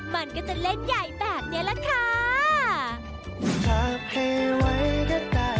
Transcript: มันก็จะเล่นใหญ่แบบนี้แหละค่ะ